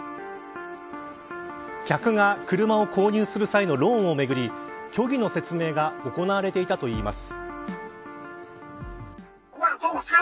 客が車を購入する際のローンをめぐり虚偽の説明が行われていたといいます。